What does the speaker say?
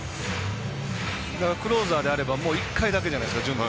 クローザーであれば１回だけじゃないですか、準備。